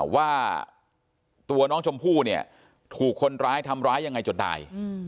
ว่าตัวน้องชมพู่เนี่ยถูกคนร้ายทำร้ายยังไงจนตาย